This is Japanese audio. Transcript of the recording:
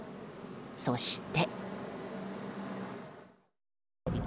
そして。